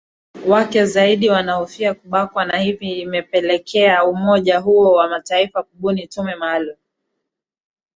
wake zaidi wanahofia kubakwa na hivi imepelekea umoja huo wa mataifa kubuni tume maalum